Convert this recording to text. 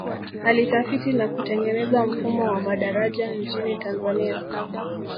alitafiti na kutengeneza mfumo wa madaraja nchini tanzania